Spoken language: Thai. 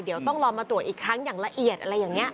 เดี๋ยวต้องรอมาตรวจอีกครั้งอย่างละเอียดอะไรอย่างนี้